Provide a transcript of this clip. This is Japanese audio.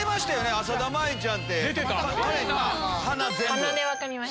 浅田舞ちゃんって。